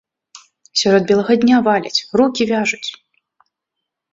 Сярод белага дня валяць, рукі вяжуць!